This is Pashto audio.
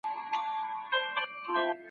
هغه وخت کې